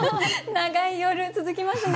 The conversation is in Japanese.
長い夜続きますね。